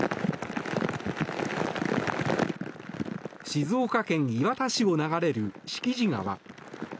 静岡県磐田市を流れる敷地川。